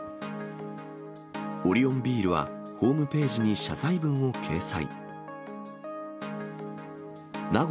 オリオンビールはホームページに謝罪文を掲載。